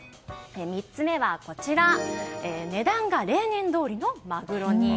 ３つ目は値段が例年どおりのマグロに。